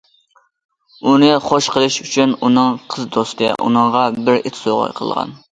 ئۇنى خوش قىلىش ئۈچۈن ئۇنىڭ قىز دوستى ئۇنىڭغا بىر ئىت سوۋغا قىلغان.